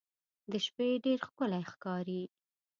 د شپې ډېر ښکلی ښکاري.